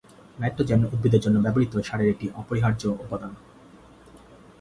Nitrogen উদ্ভিদের জন্য ব্যবহৃত সারের একটি অপরিহার্য উপাদান।